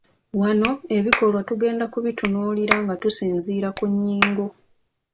Wano ebikolwa tugenda kubitunuulira nga tusinziira ku nnyingo.